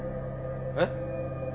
えっ？